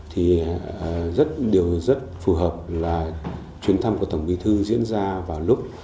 thì rất điều rất phù hợp là chuyến thăm của tổng bí thư diễn ra vào lúc